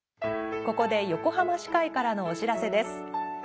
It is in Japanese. ここで横浜市会からのお知らせです。